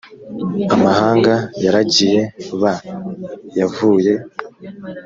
amahanga yaragiye b yavuye